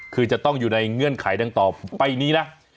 คือจะต้องอยู่ในเงื่อนไขดังต่อไปนี้นะ